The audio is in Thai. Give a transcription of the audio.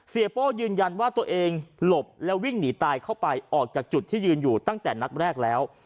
โป้ยืนยันว่าตัวเองหลบแล้ววิ่งหนีตายเข้าไปออกจากจุดที่ยืนอยู่ตั้งแต่นัดแรกแล้ว